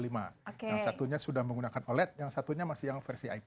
yang satunya sudah menggunakan oled yang satunya masih yang versi ip